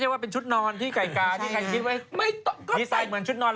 แล้วก็จริงไม่มีเหลือ